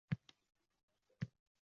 Ular qanchalik boshqacha?